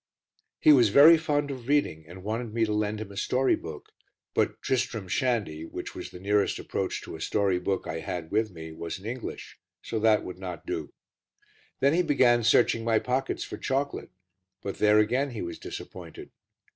He was very fond of reading and wanted me to lend him a story book, but Tristram Shandy, which was the nearest approach to a story book I had with me, was in English, so that would not do. Then he began searching my pockets for chocolate, but there, again, he was disappointed.